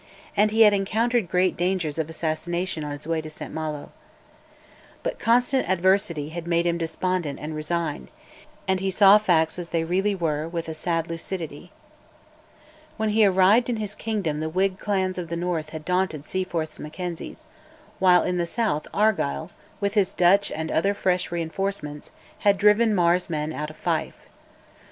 and he had encountered great dangers of assassination on his way to St Malo. But constant adversity had made him despondent and resigned, while he saw facts as they really were with a sad lucidity. When he arrived in his kingdom the Whig clans of the north had daunted Seaforth's Mackenzies, while in the south Argyll, with his Dutch and other fresh reinforcements, had driven Mar's men out of Fife.